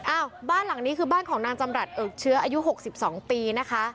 บ้านหลังนี้คือบ้านของนางจำรัฐเอิกเชื้ออายุ๖๒ปีนะคะ